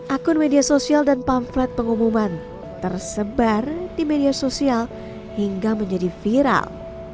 akun media sosial dan pamflet pengumuman tersebar di media sosial hingga menjadi viral